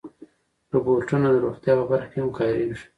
روبوټونه د روغتیا په برخه کې هم کارېږي.